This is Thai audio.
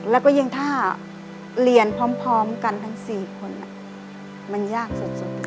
แล้วก็ยังถ้าเรียนพร้อมกันทั้ง๔คนมันยากสุด